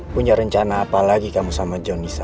punya rencana apa lagi kamu sama john nisa